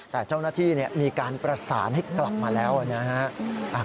แต่เจ้าหน้าที่มีการประสานให้กลับมาแล้วนะฮะ